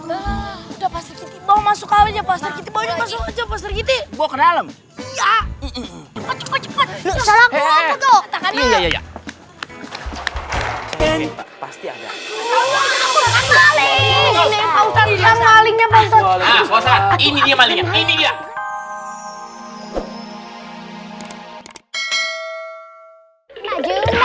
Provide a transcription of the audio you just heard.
udah pasti mau masuk aja pasti banyak langsung aja pasti gitu gua kenal enggak